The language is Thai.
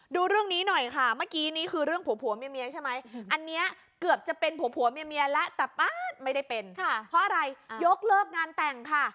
ดูเรื่องนี้หน่อยค่ะเมื่อกี้นี้คือเรื่องผัวผัวเมียใช่ไหมอันนี้เกือบจะเป็นผัวผัวเมียแล้วแต่ป๊าดไม่ได้เป็นเพราะอะไรยกเลิกงานแต่งค่ะ